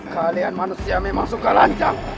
kalian manusia memang suka lancang